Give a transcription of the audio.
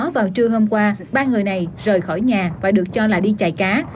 và ba người này rời khỏi nhà và được cho là đi chạy cá